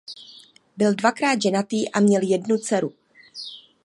Byl dvakrát ženatý a měl jednu dceru.